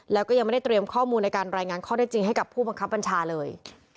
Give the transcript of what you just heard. แล้วก็ยังไม่ได้เตรียมข้อมูลในการรายงานข้อได้จริงให้กับผู้บังคับบัญชาเลย